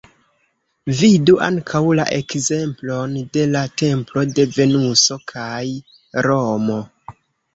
Vidu ankaŭ la ekzemplon de la Templo de Venuso kaj Romo.